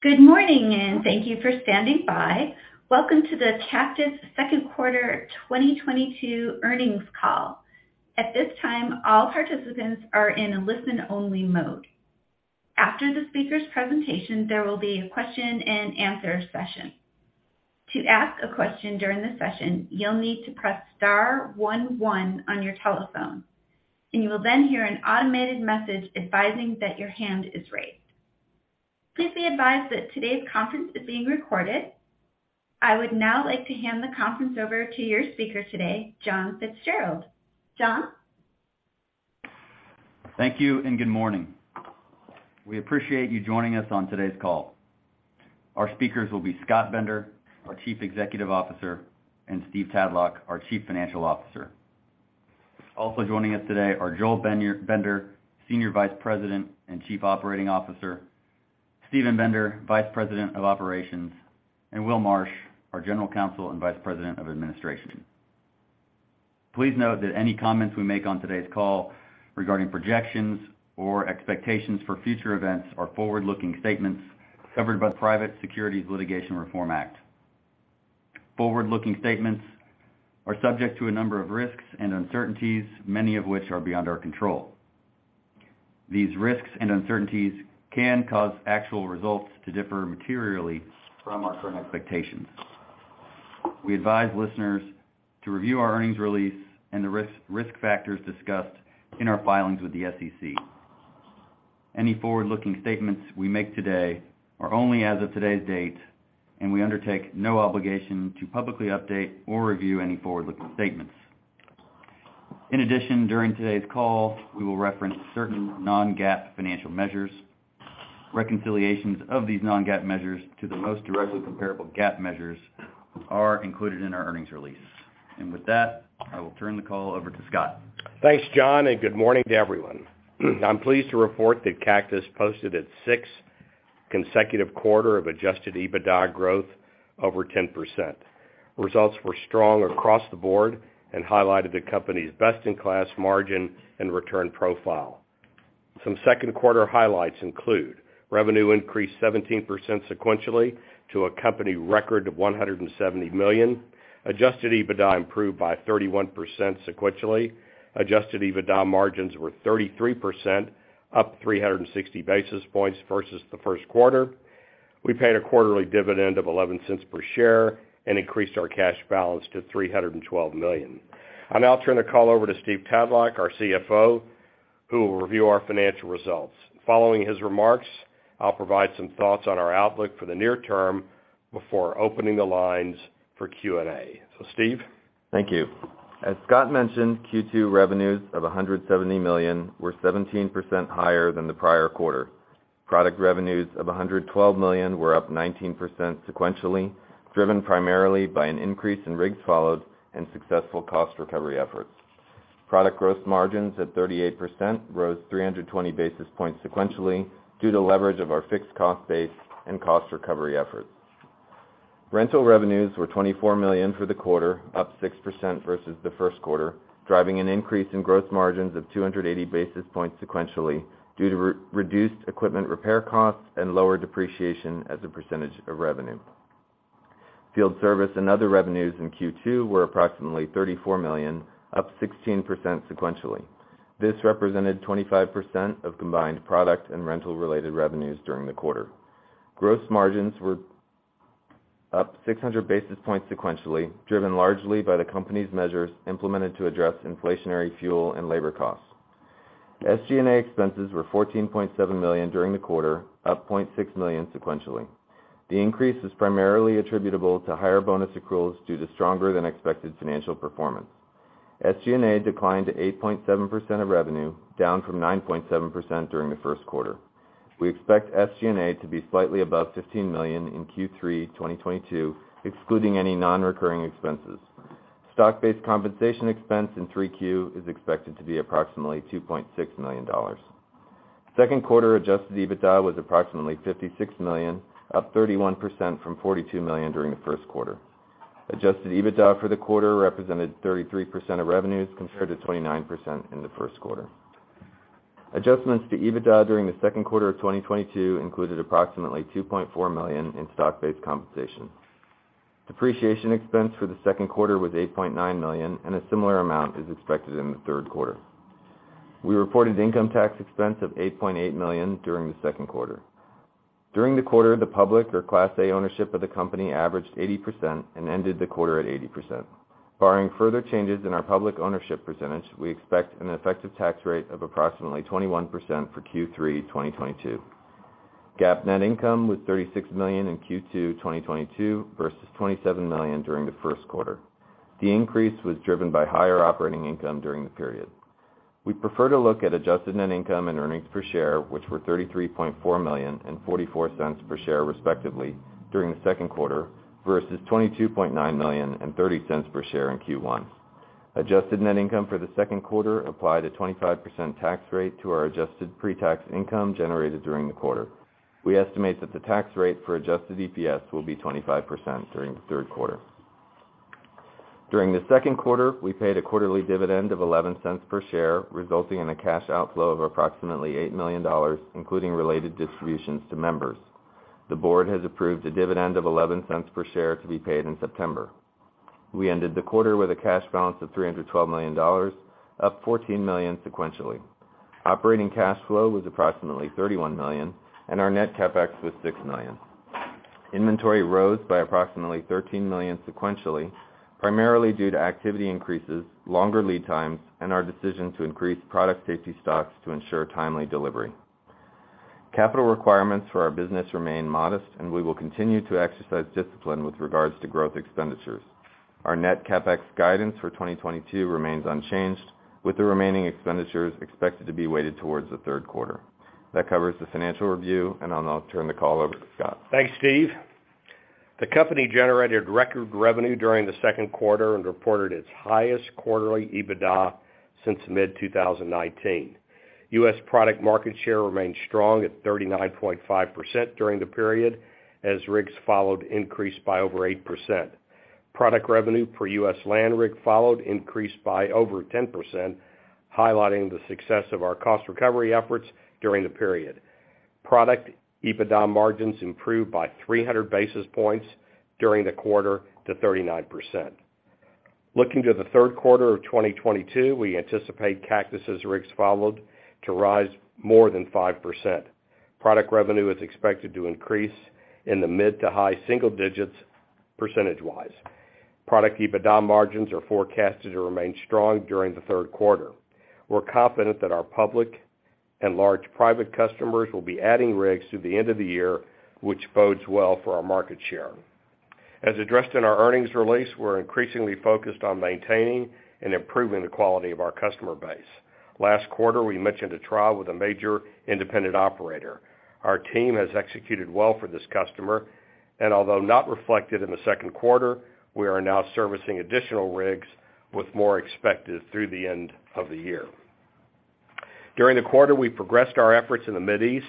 Good morning, and thank you for standing by. Welcome to the Cactus's Second Quarter 2022 Earnings Call. At this time, all participants are in a listen-only mode. After the speaker's presentation, there will be a Q&A session. To ask a question during the session, you'll need to press star one one on your telephone, and you will then hear an automated message advising that your hand is raised. Please be advised that today's conference is being recorded. I would now like to hand the conference over to your speaker today, John Fitzgerald. John? Thank you and good morning. We appreciate you joining us on today's call. Our speakers will be Scott Bender, our Chief Executive Officer, and Steve Tadlock, our Chief Financial Officer. Also joining us today are Joel Bender, Senior Vice President and Chief Operating Officer, Steven Bender, Vice President of Operations, and Will Marsh, our General Counsel and Vice President of Administration. Please note that any comments we make on today's call regarding projections or expectations for future events are forward-looking statements covered by the Private Securities Litigation Reform Act. Forward-looking statements are subject to a number of risks and uncertainties, many of which are beyond our control. These risks and uncertainties can cause actual results to differ materially from our current expectations. We advise listeners to review our earnings release and the risk factors discussed in our filings with the SEC. Any forward-looking statements we make today are only as of today's date, and we undertake no obligation to publicly update or review any forward-looking statements. In addition, during today's call, we will reference certain non-GAAP financial measures. Reconciliations of these non-GAAP measures to the most directly comparable GAAP measures are included in our earnings release. With that, I will turn the call over to Scott. Thanks, John, and good morning to everyone. I'm pleased to report that Cactus posted its sixth consecutive quarter of adjusted EBITDA growth over 10%. Results were strong across the board and highlighted the company's best-in-class margin and return profile. Some second quarter highlights include revenue increased 17% sequentially to a company record of $170 million. Adjusted EBITDA improved by 31% sequentially. Adjusted EBITDA margins were 33%, up 360 basis points versus the first quarter. We paid a quarterly dividend of $0.11 per share and increased our cash balance to $312 million. I'll now turn the call over to Steve Tadlock, our CFO, who will review our financial results. Following his remarks, I'll provide some thoughts on our outlook for the near term before opening the lines for Q&A. Steve? Thank you. As Scott mentioned, Q2 revenues of $170 million were 17% higher than the prior quarter. Product revenues of $112 million were up 19% sequentially, driven primarily by an increase in rigs followed and successful cost recovery efforts. Product gross margins at 38% rose 320 basis points sequentially due to leverage of our fixed cost base and cost recovery efforts. Rental revenues were $24 million for the quarter, up 6% versus the first quarter, driving an increase in gross margins of 280 basis points sequentially due to reduced equipment repair costs and lower depreciation as a percentage of revenue. Field service and other revenues in Q2 were approximately $34 million, up 16% sequentially. This represented 25% of combined product and rental-related revenues during the quarter. Gross margins were up 600 basis points sequentially, driven largely by the company's measures implemented to address inflationary fuel and labor costs. SG&A expenses were $14.7 million during the quarter, up $0.6 million sequentially. The increase is primarily attributable to higher bonus accruals due to stronger than expected financial performance. SG&A declined to 8.7% of revenue, down from 9.7% during the first quarter. We expect SG&A to be slightly above $15 million in Q3 2022, excluding any non-recurring expenses. Stock-based compensation expense in Q3 is expected to be approximately $2.6 million. Second quarter adjusted EBITDA was approximately $56 million, up 31% from $42 million during the first quarter. Adjusted EBITDA for the quarter represented 33% of revenues compared to 29% in the first quarter. Adjustments to EBITDA during the second quarter of 2022 included approximately $2.4 million in stock-based compensation. Depreciation expense for the second quarter was $8.9 million, and a similar amount is expected in the third quarter. We reported income tax expense of $8.8 million during the second quarter. During the quarter, the public or Class A ownership of the company averaged 80% and ended the quarter at 80%. Barring further changes in our public ownership percentage, we expect an effective tax rate of approximately 21% for Q3 2022. GAAP net income was $36 million in Q2 2022 versus $27 million during the first quarter. The increase was driven by higher operating income during the period. We prefer to look at adjusted net income and earnings per share, which were $33.4 million and $0.44 per share, respectively, during the second quarter versus $22.9 million and $0.30 per share in Q1. Adjusted net income for the second quarter applied a 25% tax rate to our adjusted pre-tax income generated during the quarter. We estimate that the tax rate for adjusted EPS will be 25% during the third quarter. During the second quarter, we paid a quarterly dividend of $0.11 per share, resulting in a cash outflow of approximately $8 million, including related distributions to members. The board has approved a dividend of $0.11 per share to be paid in September. We ended the quarter with a cash balance of $312 million, up $14 million sequentially. Operating cash flow was approximately $31 million, and our net CapEx was $6 million. Inventory rose by approximately $13 million sequentially, primarily due to activity increases, longer lead times, and our decision to increase product safety stocks to ensure timely delivery. Capital requirements for our business remain modest, and we will continue to exercise discipline with regards to growth expenditures. Our net CapEx guidance for 2022 remains unchanged, with the remaining expenditures expected to be weighted towards the third quarter. That covers the financial review, and I'll now turn the call over to Scott. Thanks, Steve. The company generated record revenue during the second quarter and reported its highest quarterly EBITDA since mid-2019. U.S. product market share remained strong at 39.5% during the period as rigs followed increased by over 8%. Product revenue per U.S. land rig followed increased by over 10%, highlighting the success of our cost recovery efforts during the period. Product EBITDA margins improved by 300 basis points during the quarter to 39%. Looking to the third quarter of 2022, we anticipate Cactus's rigs followed to rise more than 5%. Product revenue is expected to increase in the mid to high-single-digits percentage-wise. Product EBITDA margins are forecasted to remain strong during the third quarter. We're confident that our public and large private customers will be adding rigs through the end of the year, which bodes well for our market share. As addressed in our earnings release, we're increasingly focused on maintaining and improving the quality of our customer base. Last quarter, we mentioned a trial with a major independent operator. Our team has executed well for this customer and although not reflected in the second quarter, we are now servicing additional rigs with more expected through the end of the year. During the quarter, we progressed our efforts in the Middle East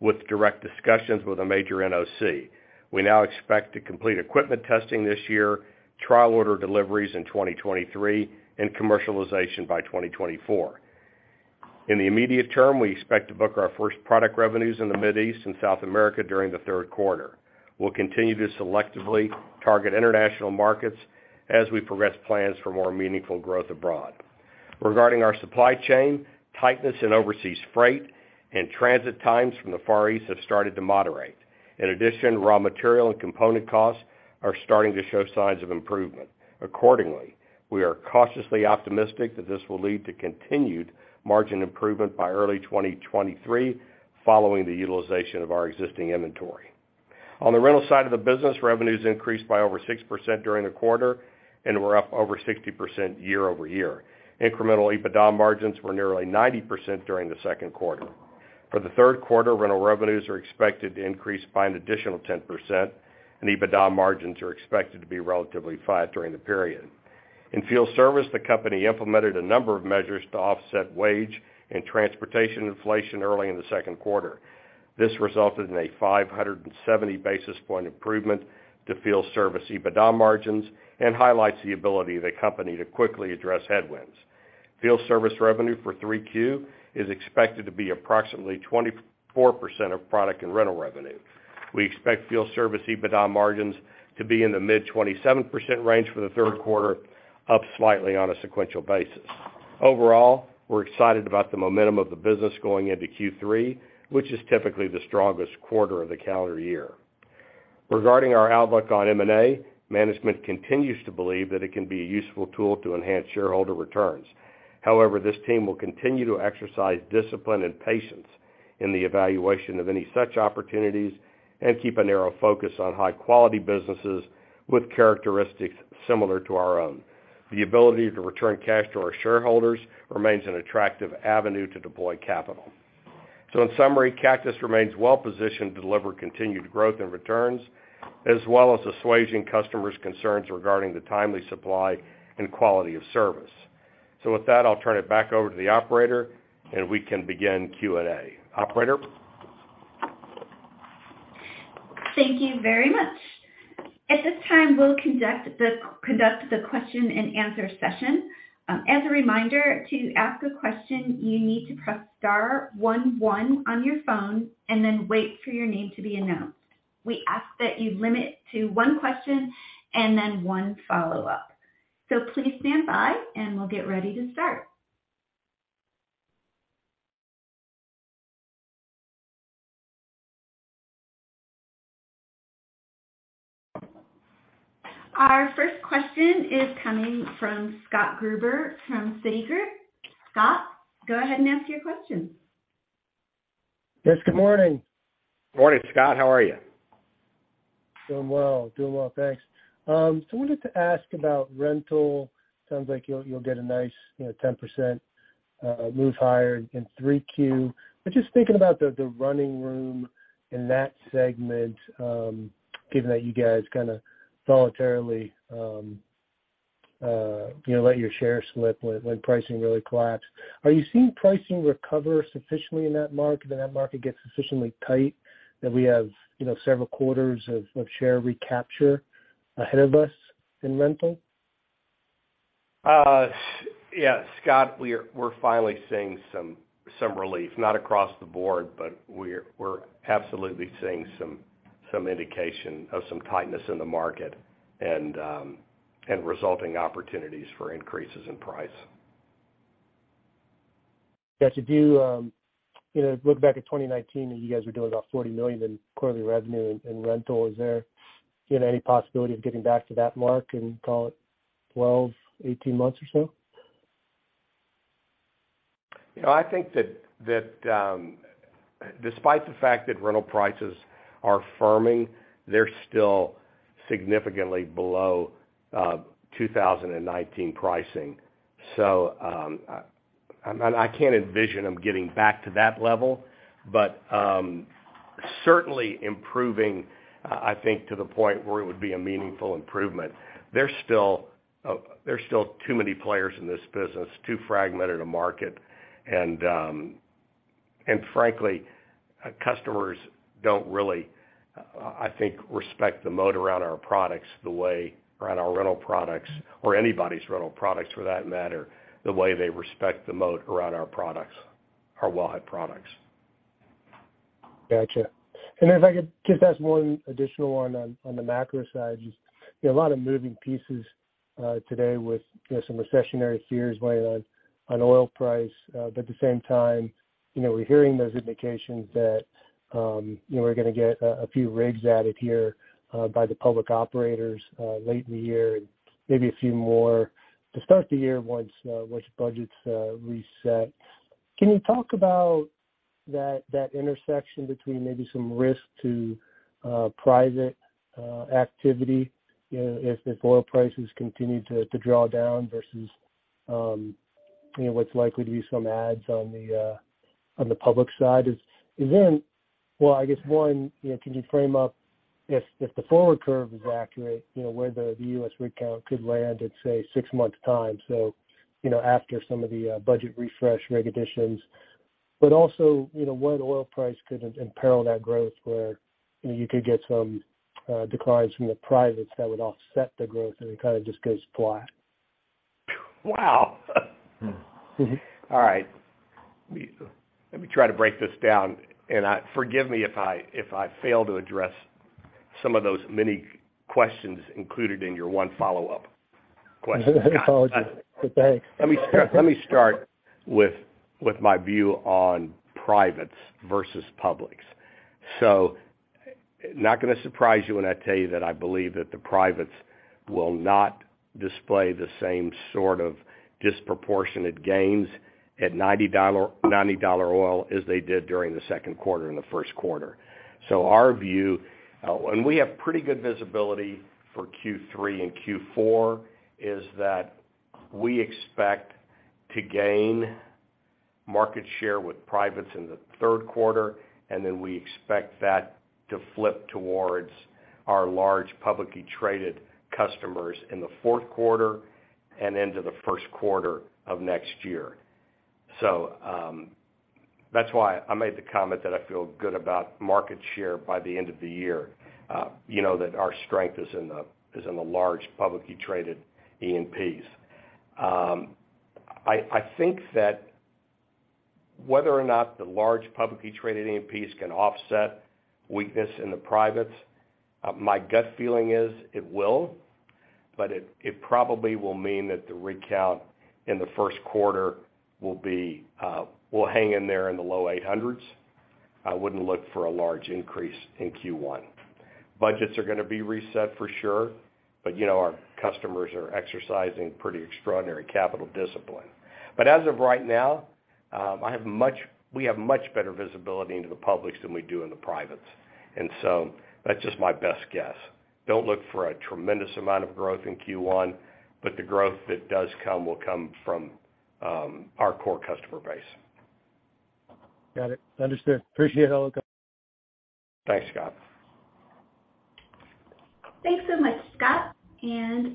with direct discussions with a major NOC. We now expect to complete equipment testing this year, trial order deliveries in 2023 and commercialization by 2024. In the immediate term, we expect to book our first product revenues in the Middle East and South America during the third quarter. We'll continue to selectively target international markets as we progress plans for more meaningful growth abroad. Regarding our supply chain, tightness in overseas freight and transit times from the Far East have started to moderate. In addition, raw material and component costs are starting to show signs of improvement. Accordingly, we are cautiously optimistic that this will lead to continued margin improvement by early 2023 following the utilization of our existing inventory. On the rental side of the business, revenues increased by over 6% during the quarter and were up over 60% year-over-year. Incremental EBITDA margins were nearly 90% during the second quarter. For the third quarter, rental revenues are expected to increase by an additional 10% and EBITDA margins are expected to be relatively flat during the period. In field service, the company implemented a number of measures to offset wage and transportation inflation early in the second quarter. This resulted in a 570 basis points improvement to field service EBITDA margins and highlights the ability of the company to quickly address headwinds. Field service revenue for Q3 is expected to be approximately 24% of product and rental revenue. We expect field service EBITDA margins to be in the mid-27% range for the third quarter, up slightly on a sequential basis. Overall, we're excited about the momentum of the business going into Q3, which is typically the strongest quarter of the calendar year. Regarding our outlook on M&A, management continues to believe that it can be a useful tool to enhance shareholder returns. However, this team will continue to exercise discipline and patience in the evaluation of any such opportunities and keep a narrow focus on high quality businesses with characteristics similar to our own. The ability to return cash to our shareholders remains an attractive avenue to deploy capital. In summary, Cactus remains well positioned to deliver continued growth and returns, as well as assuaging customers' concerns regarding the timely supply and quality of service. With that, I'll turn it back over to the operator and we can begin Q&A. Operator? Thank you very much. At this time, we'll conduct the Q&A session. As a reminder, to ask a question, you need to press star one one on your phone and then wait for your name to be announced. We ask that you limit to one question and then one follow-up. Please stand by and we'll get ready to start. Our first question is coming from Scott Gruber from Citigroup. Scott, go ahead and ask your question. Yes, good morning. Morning, Scott. How are you? Doing well, thanks. Wanted to ask about rental- sounds like you'll get a nice, you know, 10% move higher in Q3. Just thinking about the room to run in that segment, given that you guys kinda voluntarily- you know, let your share slip when pricing really collapsed. Are you seeing pricing recover sufficiently in that market? That market get sufficiently tight that we have, you know, several quarters of share recapture ahead of us in rental? Yeah, Scott, we're finally seeing some relief, not across the board, but we're absolutely seeing some indication of some tightness in the market and resulting opportunities for increases in price. Yeah. You know, look back at 2019 and you guys were doing about $40 million in quarterly revenue in rental. Is there, you know, any possibility of getting back to that mark in call it 12-18 months or so? You know, I think that despite the fact that rental prices are firming, they're still significantly below 2019 pricing. I mean, I can't envision them getting back to that level, but certainly improving, I think to the point where it would be a meaningful improvement. There's still too many players in this business, too fragmented a market. Frankly, customers don't really, I think, respect the moat around our products the way around our rental products, or anybody's rental products for that matter, the way they respect the moat around our products, our wellhead products. Gotcha. If I could just ask one additional one on the macro side. Just, you know, a lot of moving pieces today with, you know, some recessionary fears weighing on oil price. But at the same time, you know, we're hearing those indications that, you know, we're gonna get a few rigs added here by the public operators late in the year and maybe a few more to start the year once budgets reset. Can you talk about that intersection between maybe some risk to private activity, you know, if oil prices continue to draw down versus, you know, what's likely to be some adds on the public side? Well, I guess one, you know, can you frame up if the forward curve is accurate, you know, where the U.S. rig count could land at, say, six months' time, so, you know, after some of the budget refresh rig additions. But also, you know, what oil price could imperil that growth where, you know, you could get some declines from the privates that would offset the growth and it kind of just goes flat? Wow. All right. Let me try to break this down, and I forgive me if I fail to address some of those many questions included in your one follow-up question. Apologies. Thanks. Let me start with my view on privates versus publics. Not gonna surprise you when I tell you that I believe that the privates will not display the same sort of disproportionate gains at $90 oil as they did during the second quarter and the first quarter. Our view, and we have pretty good visibility for Q3 and Q4, is that we expect to gain market share with privates in the third quarter, and then we expect that to flip towards our large publicly traded customers in the fourth quarter and into the first quarter of next year. That's why I made the comment that I feel good about market share by the end of the year, you know, that our strength is in the large publicly traded E&Ps. I think that whether or not the large publicly traded E&Ps can offset weakness in the privates, my gut feeling is it will, but it probably will mean that the rig count in the first quarter will hang in there in the low 800s. I wouldn't look for a large increase in Q1. Budgets are gonna be reset for sure, but, you know, our customers are exercising pretty extraordinary capital discipline. But as of right now, we have much better visibility into the publics than we do in the privates. That's just my best guess. Don't look for a tremendous amount of growth in Q1, but the growth that does come will come from our core customer base. Got it. Understood. Appreciate all the- Thanks, Scott. Thanks so much, Scott.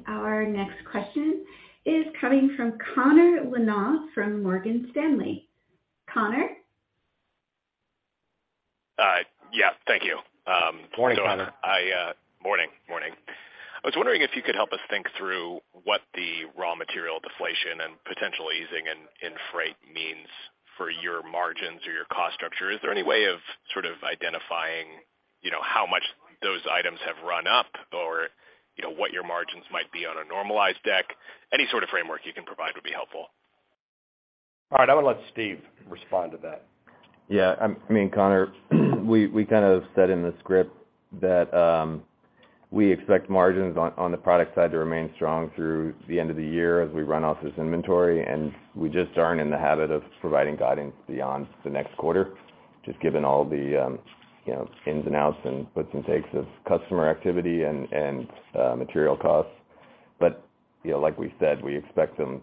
Our next question is coming from Connor Lynagh from Morgan Stanley. Connor? Yeah, thank you. I... Morning, Connor. ...morning. I was wondering if you could help us think through what the raw material deflation and potential easing in freight means for your margins or your cost structure. Is there any way of sort of identifying, you know, how much those items have run up or, you know, what your margins might be on a normalized deck? Any sort of framework you can provide would be helpful. All right. I'm gonna let Steve respond to that. Yeah. I mean, Connor, we kind of said in the script that we expect margins on the product side to remain strong through the end of the year as we run off this inventory, and we just aren't in the habit of providing guidance beyond the next quarter, just given all the you know, ins and outs and puts and takes of customer activity and material costs. You know, like we said, we expect them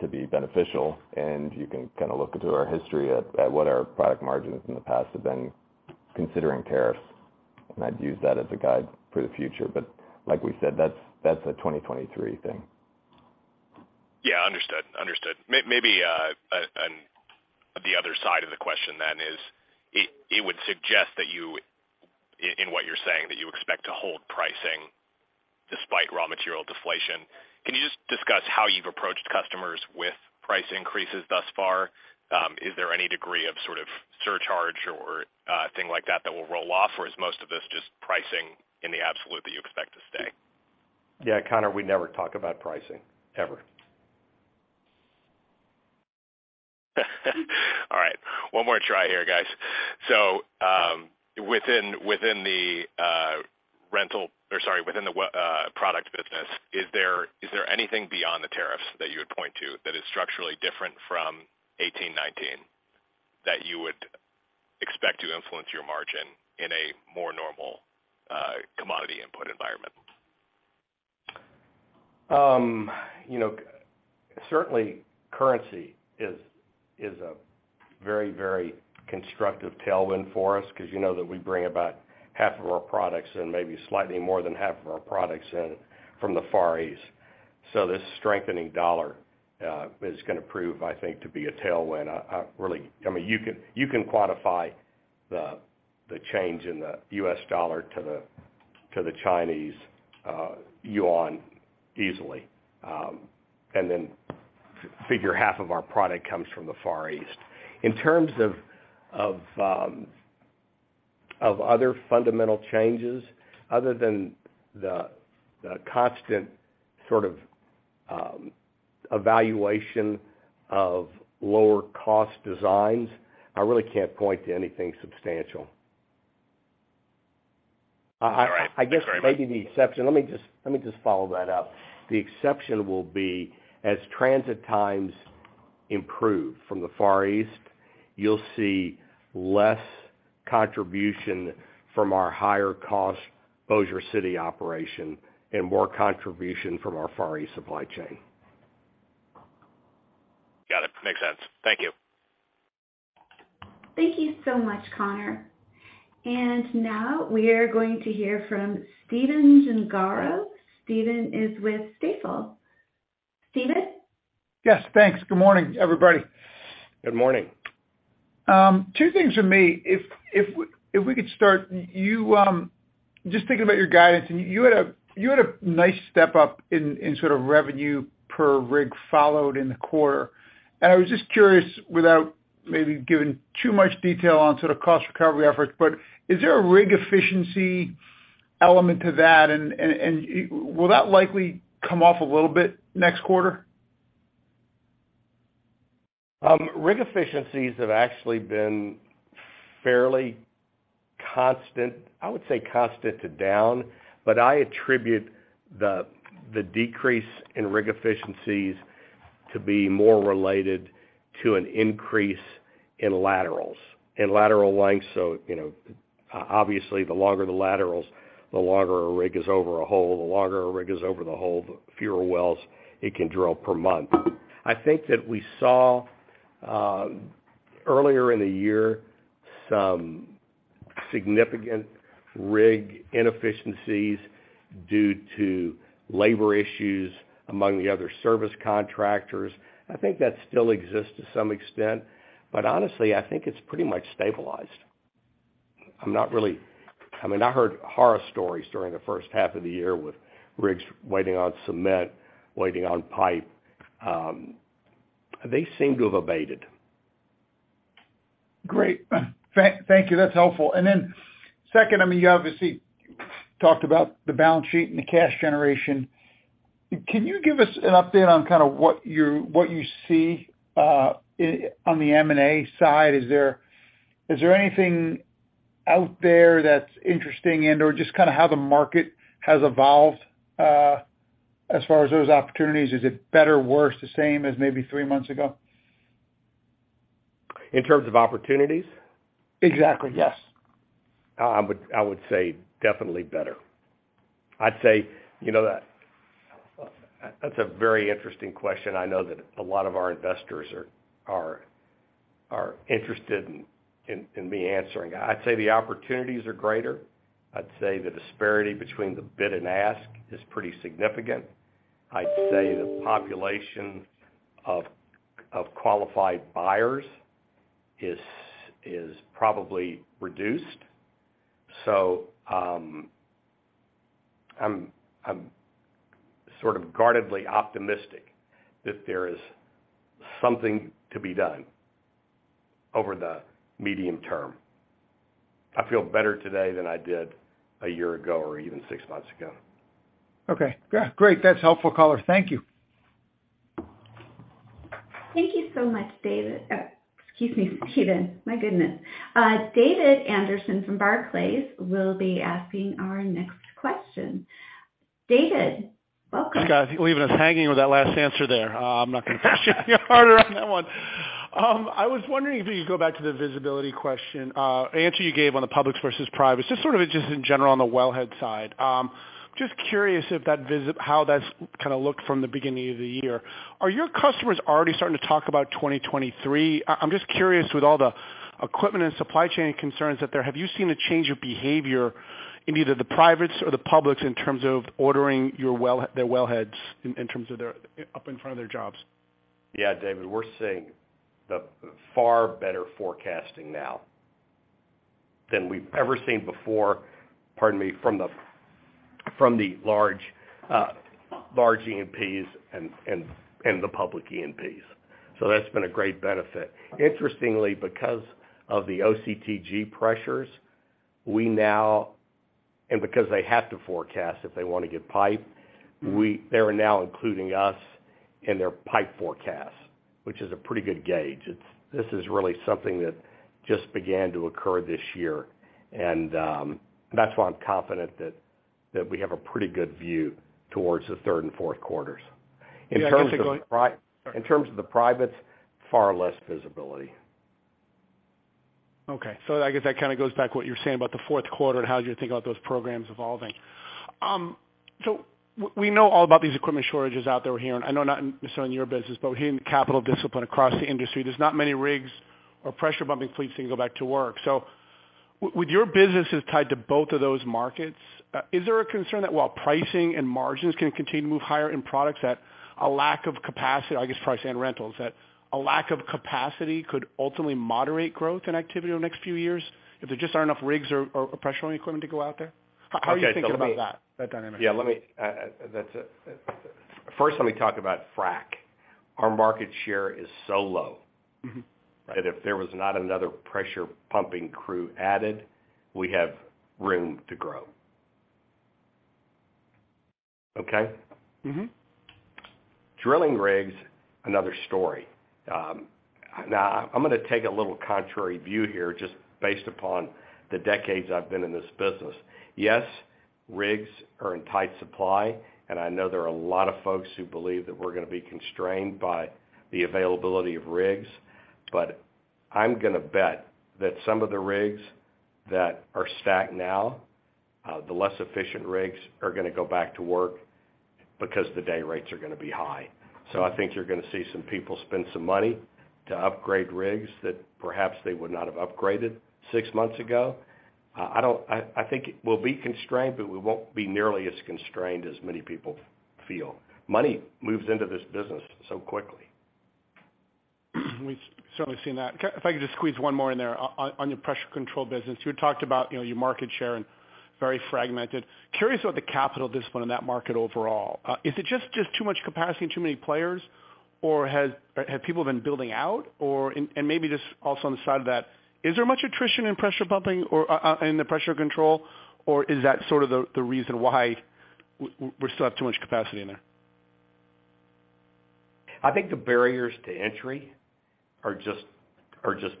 to be beneficial, and you can kind of look into our history at what our product margins in the past have been considering tariffs- I'd use that as a guide for the future. Like we said, that's a 2023 thing. Yeah, understood. Maybe, and the other side of the question then is, it would suggest that you, in what you're saying, that you expect to hold pricing despite raw material deflation. Can you just discuss how you've approached customers with price increases thus far? Is there any degree of sort of surcharge or thing like that that will roll off, or is most of this just pricing in the absolute that you expect to stay? Yeah, Connor, we never talk about pricing, ever. All right, one more try here, guys. Within the product business, is there anything beyond the tariffs that you would point to that is structurally different from 2018-2019 that you would expect to influence your margin in a more normal commodity input environment? You know, certainly currency is a very, very constructive tailwind for us because you know that we bring about half of our products and maybe slightly more than half of our products in from the Far East. This strengthening dollar is gonna prove, I think, to be a tailwind. I really mean you can quantify the change in the U.S. dollar to the Chinese yuan easily, and then figure half of our product comes from the Far East. In terms of other fundamental changes, other than the constant sort of evaluation of lower cost designs, I really can't point to anything substantial. All right. Thanks very much. I guess maybe the exception. Let me just follow that up. The exception will be as transit times improve from the Far East, you'll see less contribution from our higher cost Bossier City operation and more contribution from our Far East supply chain. Got it. Makes sense. Thank you. Thank you so much, Connor. Now we are going to hear from Stephen Gengaro. Stephen is with Stifel. Stephen? Yes. Thanks. Good morning, everybody. Good morning. Two things from me. If we could start you just thinking about your guidance, and you had a nice step up in sort of revenue per rigs followed in the quarter. I was just curious, without maybe giving too much detail on sort of cost recovery efforts, but is there a rig efficiency element to that? Will that likely come off a little bit next quarter? Rig efficiencies have actually been fairly constant, I would say constant to down, but I attribute the decrease in rig efficiencies to be more related to an increase in laterals, in lateral length. You know, obviously, the longer the laterals, the longer a rig is over a hole. The longer a rig is over the hole, the fewer wells it can drill per month. I think that we saw earlier in the year some significant rig inefficiencies due to labor issues among the other service contractors. I think that still exists to some extent. Honestly, I think it's pretty much stabilized. I'm not really I mean, I heard horror stories during the first half of the year with rigs waiting on cement, waiting on pipe. They seem to have abated. Great. Thank you. That's helpful. Second, I mean, you obviously talked about the balance sheet and the cash generation. Can you give us an update on kind of what you see on the M&A side? Is there anything out there that's interesting and/or just kind of how the market has evolved as far as those opportunities? Is it better, worse, the same as maybe three months ago? In terms of opportunities? Exactly, yes. I would say definitely better. I'd say, you know- that's a very interesting question. I know that a lot of our investors are interested in me answering. I'd say the opportunities are greater. I'd say the disparity between the bid and ask is pretty significant. I'd say the population of qualified buyers is probably reduced. I'm sort of guardedly optimistic that there is something to be done over the medium term. I feel better today than I did a year ago or even six months ago. Okay, great. That's helpful, Connor. Thank you. Thank you so much, David. Excuse me, Stephen. My goodness. David Anderson from Barclays will be asking our next question. David, welcome. Scott, leaving us hanging with that last answer there. I'm not gonna push any harder on that one. I was wondering if you could go back to the visibility question, answer you gave on the public versus private, just sort of in general on the wellhead side. Just curious if that visibility, how that's kind of looked from the beginning of the year. Are your customers already starting to talk about 2023? I'm just curious, with all the equipment and supply chain concerns out there, have you seen a change of behavior in either the privates or the publics in terms of ordering your well-- their wellheads in terms of their up in front of their jobs? Yeah, David, we're seeing far better forecasting now than we've ever seen before- pardon me, from the large E&Ps and the public E&Ps. That's been a great benefit. Interestingly, because of the OCTG pressures and because they have to forecast if they wanna get pipe, they are now including us in their pipe forecast, which is a pretty good gauge. This is really something that just began to occur this year. That's why I'm confident that we have a pretty good view towards the third and fourth quarters. Yeah, I guess it goes.... In terms of the pri... Sorry. ...in terms of the privates, far less visibility. Okay. I guess that kind of goes back to what you were saying about the fourth quarter and how you think about those programs evolving. We know all about these equipment shortages out there we're hearing. I know not necessarily in your business, but we're hearing capital discipline across the industry. There's not many rigs or pressure pumping fleets that can go back to work. With your businesses tied to both of those markets, is there a concern that while pricing and margins can continue to move higher in products, that a lack of capacity, I guess, pricing and rentals, that a lack of capacity could ultimately moderate growth and activity over the next few years if there just aren't enough rigs or pressure pumping equipment to go out there? Okay. Let me- How are you thinking about that dynamic? First, let me talk about frack. Our market share is so low.... Mm-hmm. ...that if there was not another pressure pumping crew added, we have room to grow. Okay? Mm-hmm. Drilling rigs, another story. Now I'm gonna take a little contrary view here just based upon the decades I've been in this business. Yes, rigs are in tight supply, and I know there are a lot of folks who believe that we're gonna be constrained by the availability of rigs, but I'm gonna bet that some of the rigs that are stacked now, the less efficient rigs are gonna go back to work because the day rates are gonna be high. I think you're gonna see some people spend some money to upgrade rigs that perhaps they would not have upgraded six months ago. I think we'll be constrained, but we won't be nearly as constrained as many people feel. Money moves into this business so quickly. We've certainly seen that. If I could just squeeze one more in there. On your pressure control business, you had talked about, you know, your market share, very fragmented. Curious about the capital discipline in that market overall. Is it just too much capacity and too many players, or have people been building out, or- maybe just also on the side of that, is there much attrition in pressure pumping or in the pressure control, or is that sort of the reason why we still have too much capacity in there? I think the barriers to entry are just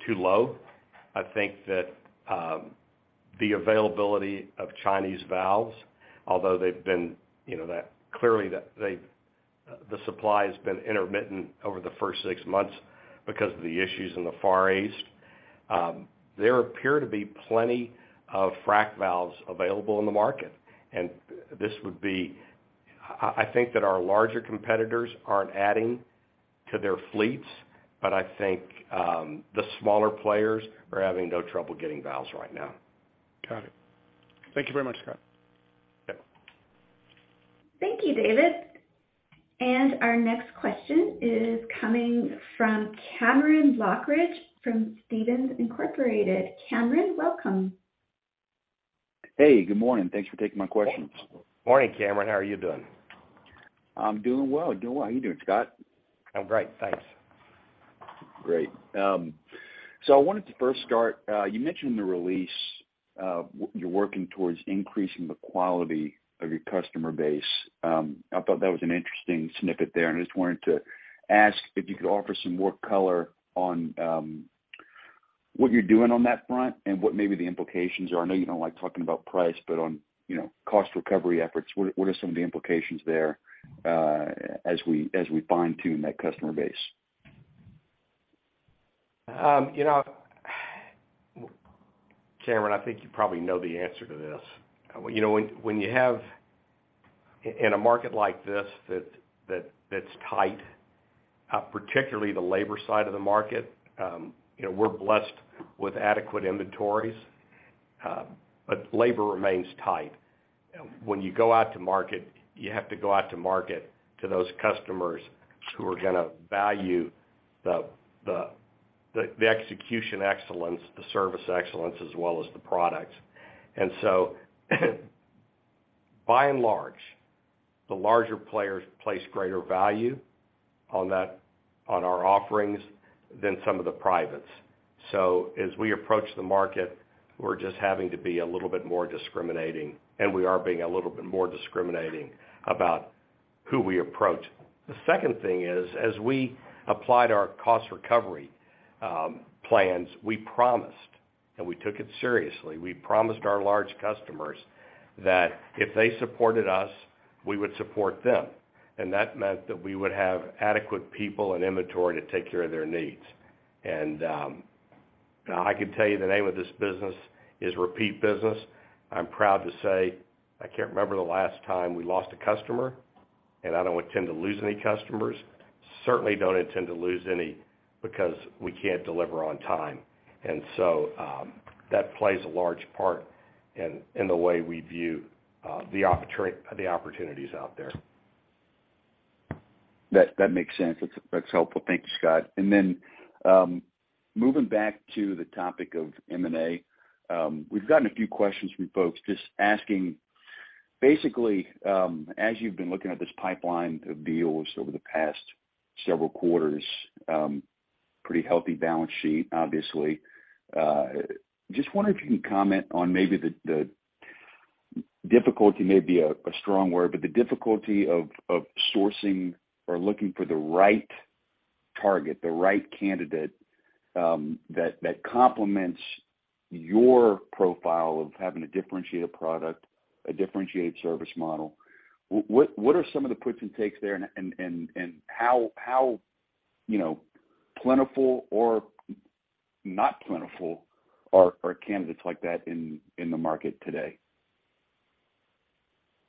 too low. I think that the availability of Chinese valves, although they've been, you know, that clearly they've the supply has been intermittent over the first six months because of the issues in the Far East. There appear to be plenty of frack valves available in the market. I think that our larger competitors aren't adding to their fleets, but I think the smaller players are having no trouble getting valves right now. Got it. Thank you very much, Scott. Yeah. Thank you, David. Our next question is coming from Cameron Lochridge from Stephens Inc. Cameron, welcome. Hey, good morning. Thanks for taking my questions. Morning, Cameron. How are you doing? I'm doing well. How are you doing, Scott? I'm great, thanks. Great. So I wanted to first start, you mentioned in the release, you're working towards increasing the quality of your customer base. I thought that was an interesting snippet there, and I just wanted to ask if you could offer some more color on what you're doing on that front and what maybe the implications are. I know you don't like talking about price, but on, you know, cost recovery efforts, what are some of the implications there, as we fine-tune that customer base? You know, Cameron, I think you probably know the answer to this. You know, when you have in a market like this that's tight, particularly the labor side of the market, you know, we're blessed with adequate inventories, but labor remains tight. When you go out to market, you have to go out to market to those customers who are gonna value the execution excellence, the service excellence, as well as the products. By and large, the larger players place greater value on that, on our offerings than some of the privates. As we approach the market, we're just having to be a little bit more discriminating, and we are being a little bit more discriminating about who we approach. The second thing is, as we applied our cost recovery plans, we promised, and we took it seriously. We promised our large customers that if they supported us, we would support them. That meant that we would have adequate people and inventory to take care of their needs. Now I can tell you the name of this business is repeat business. I'm proud to say I can't remember the last time we lost a customer, and I don't intend to lose any customers. Certainly don't intend to lose any because we can't deliver on time. That plays a large part in the way we view the opportunities out there. That makes sense. That's helpful. Thank you, Scott. Then, moving back to the topic of M&A, we've gotten a few questions from folks just asking basically, as you've been looking at this pipeline of deals over the past several quarters, pretty healthy balance sheet, obviously. Just wondering if you can comment on maybe the difficulty. Difficulty may be a strong word, but the difficulty of sourcing or looking for the right target, the right candidate, that complements your profile of having a differentiated product, a differentiated service model. What are some of the puts and takes there and how, you know, plentiful or not plentiful are candidates like that in the market today?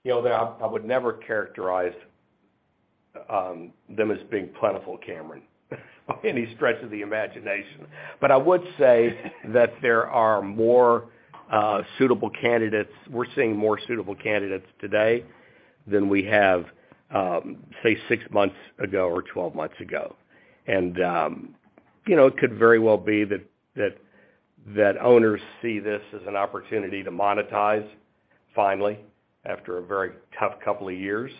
You know, I would never characterize them as being plentiful, Cameron, by any stretch of the imagination. I would say that we're seeing more suitable candidates today than we have, say six months ago or twelve months ago. You know, it could very well be that owners see this as an opportunity to monetize finally after a very tough couple of years.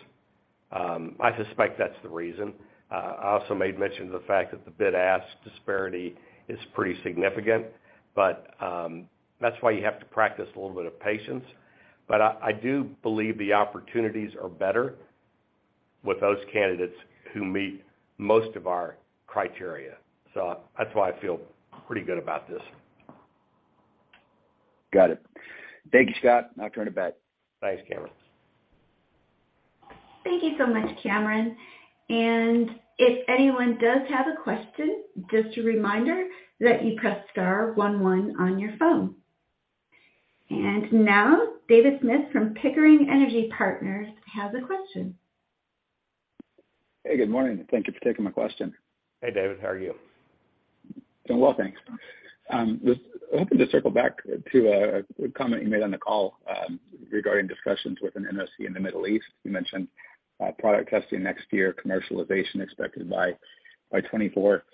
I suspect that's the reason. I also made mention of the fact that the bid-ask disparity is pretty significant, but that's why you have to practice a little bit of patience. I do believe the opportunities are better with those candidates who meet most of our criteria. That's why I feel pretty good about this. Got it. Thank you, Scott. I'll turn it back. Thanks, Cameron. Thank you so much, Cameron. If anyone does have a question, just a reminder that you press star one one on your phone. Now David Smith from Pickering Energy Partners has a question. Hey, good morning. Thank you for taking my question. Hey, David. How are you? Doing well, thanks. Just hoping to circle back to a comment you made on the call, regarding discussions with an NOC in the Middle East. You mentioned product testing next year, commercialization expected by 2024.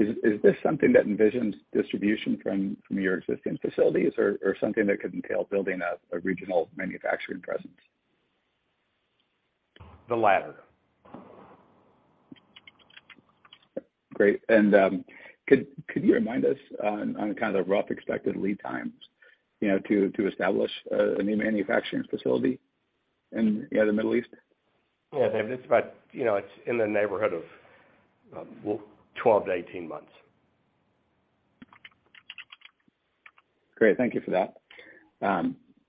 Is this something that envisions distribution from your existing facilities or something that could entail building a regional manufacturing presence? The latter. Great. Could you remind us on kind of the rough expected lead times, you know, to establish a new manufacturing facility in yeah, the Middle East? Yeah. David, it's about, you know, it's in the neighborhood of, well, 12-18 months. Great. Thank you for that.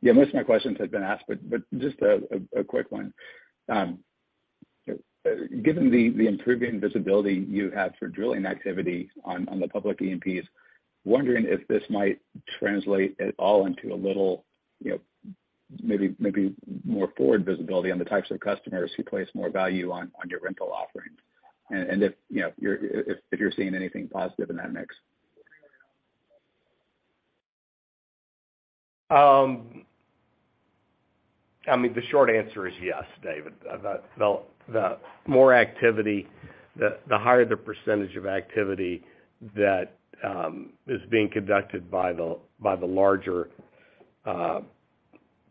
Yeah, most of my questions have been asked, but just a quick one. Given the improving visibility you have for drilling activity on the public E&Ps, wondering if this might translate at all into a little, you know, maybe more forward visibility on the types of customers who place more value on your rental offerings. If, you know, if you're seeing anything positive in that mix. I mean, the short answer is yes, David. The more activity, the higher the percentage of activity that is being conducted by the larger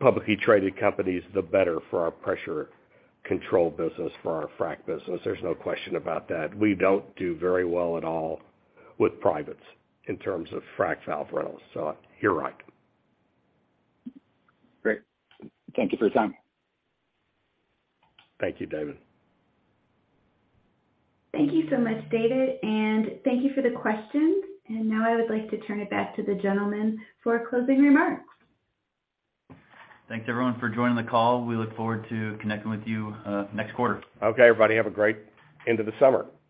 publicly traded companies, the better for our pressure control business, for our frack business. There's no question about that. We don't do very well at all with privates in terms of frack valve rentals. You're right. Great. Thank you for your time. Thank you, David. Thank you so much, David, and thank you for the questions. Now I would like to turn it back to the gentleman for closing remarks. Thanks everyone for joining the call. We look forward to connecting with you, next quarter. Okay, everybody. Have a great end of the summer.